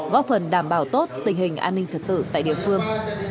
góp phần đảm bảo tốt tình hình an ninh trật tự tại địa phương